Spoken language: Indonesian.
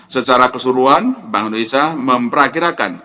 secara keseluruhan bank indonesia memperakirakan